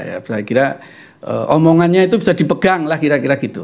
saya kira omongannya itu bisa dipegang lah kira kira gitu